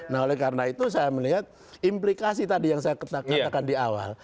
nah oleh karena itu saya melihat implikasi tadi yang saya katakan di awal